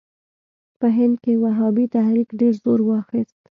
په هند کې وهابي تحریک ډېر زور واخیست.